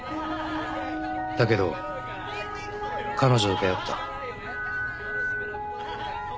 だけど彼女と出会った。